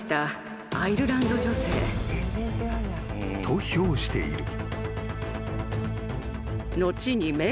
［と評している］